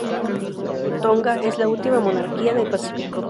Tonga es la última monarquía del Pacífico.